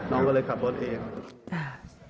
น้องก็เลยขับรถเองค่ะ